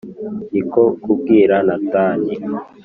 Ni ko kubwira Natani